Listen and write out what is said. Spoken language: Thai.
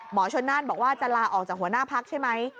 ชนนั่นบอกว่าจะลาออกจากหัวหน้าพักใช่ไหม